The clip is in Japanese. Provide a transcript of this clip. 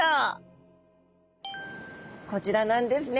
こちらなんですね。